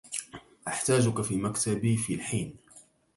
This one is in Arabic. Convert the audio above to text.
أحتاجك في مكتبي في الحين.